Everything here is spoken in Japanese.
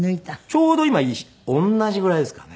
ちょうど今同じぐらいですかね。